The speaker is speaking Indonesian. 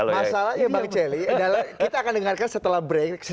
masalahnya bang celi adalah kita akan dengarkan setelah break